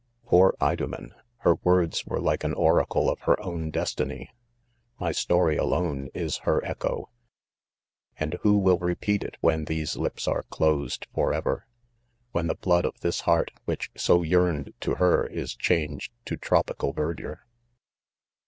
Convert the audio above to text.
Poor Idomen! her words were like an oracle of her own destiny !— my story alone, is her echo, and4 who will repeat it when these lips are closed forever 1 — when the blood of / THE STE ANGER. 23 this heart, which so yearned to her, is chang ed to tropical verdure.